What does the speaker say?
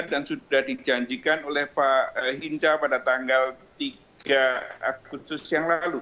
dan sudah dijanjikan oleh pak hinta pada tanggal tiga agustus yang lalu